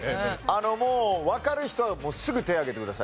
あのもうわかる人はすぐ手を挙げてください。